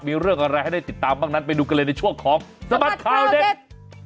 มีเรื่องอะไรให้ได้ติดตามบ้างนั้นไปดูกันเลยในช่วงของสบัดข่าวเด็ด